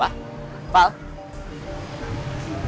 ya tuhan simulated